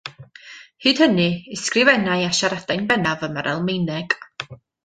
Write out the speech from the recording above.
Hyd hynny, ysgrifennai a siaradai'n bennaf yn yr Almaeneg.